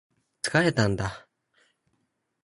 疲れたんだ